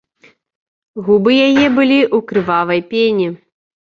Губы яе былі ў крывавай пене.